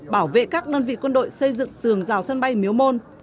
bảo vệ các đơn vị quân đội xây dựng tường rào sân bay miếu môn